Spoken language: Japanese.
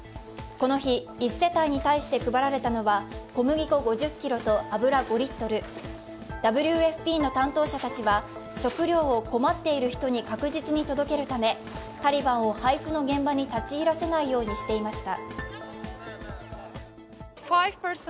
この日、１世帯に対して配られたのは小麦粉５０ｋｇと油５リットル、ＷＦＰの担当者たちは食糧を困っている人たちに確実に届けるため、タリバンを配布の現場に立ち入らせないようにしていました。